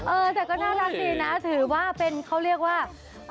เออแต่ก็น่ารักดีนะถือว่าเป็นเขาเรียกว่า